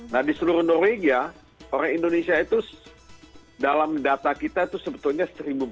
nah di seluruh norwegia orang indonesia itu dalam data kita itu sebetulnya seribu empat ratus